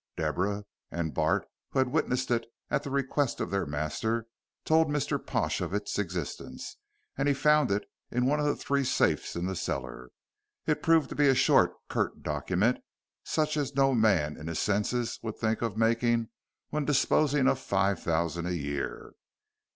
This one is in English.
Deborah, and Bart, who had witnessed it at the request of their master, told Mr. Pash of its existence, and he found it in one of the three safes in the cellar. It proved to be a short, curt document, such as no man in his senses would think of making when disposing of five thousand a year.